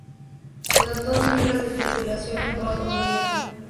Los dos miembros de tripulación a bordo murieron.